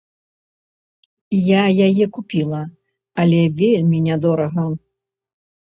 Я яе купіла, але вельмі нядорага.